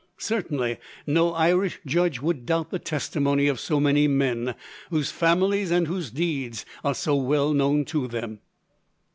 Certainly no Irish judge would doubt the testimony of so many men, whose families and whose deeds are so well known to them."